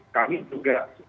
kami juga sudah mengundurkan diri